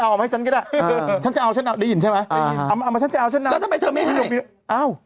เอามาฉันจะเอาฉันนำ